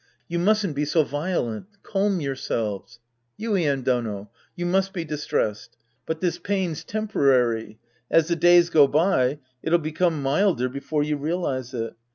You mustn't be so violent. Calm yourselves. Yuien Dono. You must be dis tressed. But tliis pain's temporary. As the days go by, it'll become milder before you realize it.